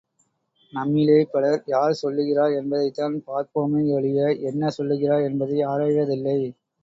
நம்மிலே பலர் யார் சொல்லுகிறார் என்பதைத்தான் பார்ப்போமேயொழிய, என்ன சொல்லுகிறார் என்பதை ஆராய்வதில்லை.